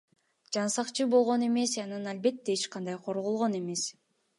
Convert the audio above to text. Жансакчы болгон эмес, анан албетте эч кандай корголгон эмес.